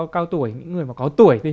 cao tuổi những người mà có tuổi